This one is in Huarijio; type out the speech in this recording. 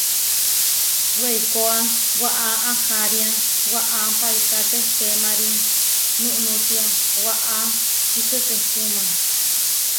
Weikóa waʼá ahariá waʼá paiká tehtemarí núnútia waʼá čikekečuma.